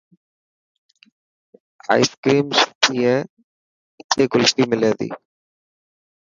ائس ڪريم سٺي هي.اٿي ڪلفي ملي تي.